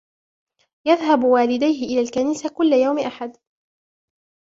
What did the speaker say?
يذهب والديه إلى الكنيسة كل يوم أحد.